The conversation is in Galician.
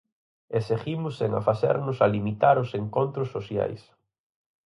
E seguimos sen afacernos a limitar os encontros sociais.